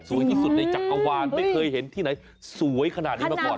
ที่สุดในจักรวาลไม่เคยเห็นที่ไหนสวยขนาดนี้มาก่อน